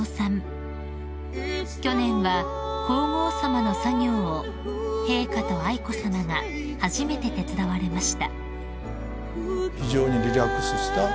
［去年は皇后さまの作業を陛下と愛子さまが初めて手伝われました］